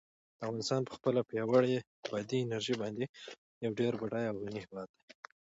افغانستان په خپله پیاوړې بادي انرژي باندې یو ډېر بډای او غني هېواد دی.